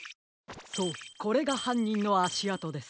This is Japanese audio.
そうこれがはんにんのあしあとです。